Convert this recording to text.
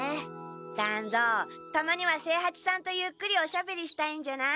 団蔵たまには清八さんとゆっくりおしゃべりしたいんじゃない？